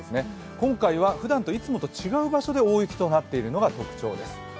今回はふだんいつもと違う場所で大雪となっているのが特徴です。